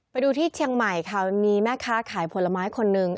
ไปดูที่เชียงใหม่ค่ะมีแม่ค้าขายผลไม้คนหนึ่ง